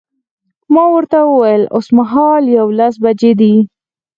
ما ورته وویل اوسمهال یوولس بجې دي.